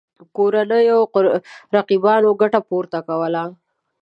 کورنیو رقیبانو ګټه پورته کوله.